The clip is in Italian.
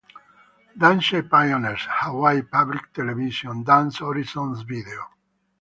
Dance Pioneers, Hawaii Public Television, Dance Horizons Video.